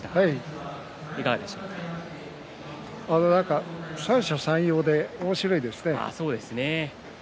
富士三者三様でおもしろいですよね。